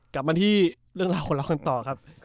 กลับมาที่เรื่องราวของเรากันต่อครับ